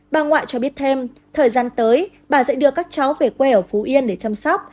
bà ngoại cho biết thêm thời gian tới bà sẽ đưa các cháu về quê ở phú yên để chăm sóc